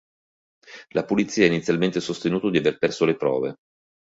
La polizia ha inizialmente sostenuto di aver perso le prove.